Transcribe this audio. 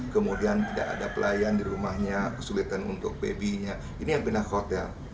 kemudian tidak ada pelayan di rumahnya kesulitan untuk babynya ini yang pindah ke hotel